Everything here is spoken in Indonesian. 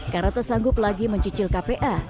karena tersanggup lagi mencicil kpa